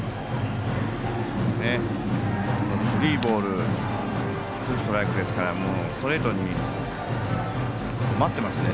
スリーボールツーストライクですからもうストレートを待ってますんでね